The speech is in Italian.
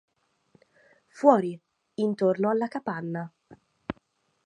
Fuori, intorno alla capanna.